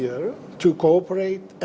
dan memiliki produksi produksi